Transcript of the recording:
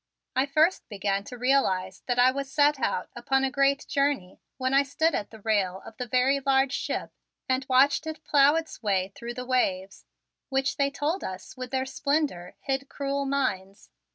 I first began to realize that I was set out upon a great journey when I stood at the rail of the very large ship and watched it plow its way through the waves which they told us with their splendor hid cruel mines.